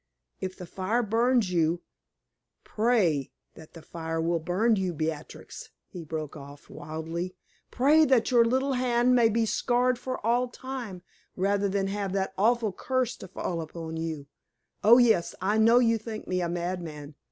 If the fire burns you pray that the fire will burn you, Beatrix," he broke off, wildly "pray that your little hand may be scarred for all time, rather than have that awful curse to fall upon you. Oh, yes, I know you think me a madman!